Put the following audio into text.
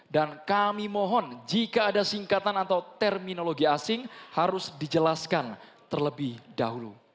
dan kami mohon jika ada singkatan atau terminologi asing harus dijelaskan terlebih dahulu